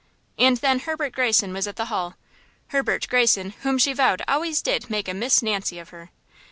And then Herbert Greyson was at the Hall–Herbert Greyson whom she vowed always did make a Miss Nancy of her!